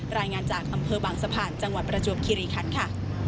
รายงานจากอำเภอบางสะพานจังหวัดประจวบคิริคันค่ะ